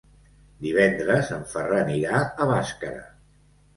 Divendres en Ferran irà a Bàscara.